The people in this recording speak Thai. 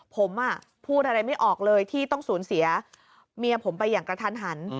ผมพูดอะไรไม่ออกเลยที่ต้องสูญเสียเมียผมไปอย่างกระทันหัน